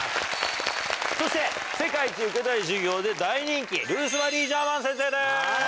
そして『世界一受けたい授業』で大人気ルース・マリー・ジャーマン先生です。